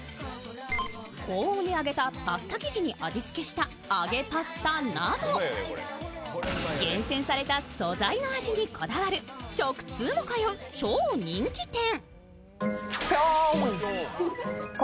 高温で揚げたパスタ生地に味付けした揚げパスタなど、厳選された素材の味にこだわる食通も通う超人気店。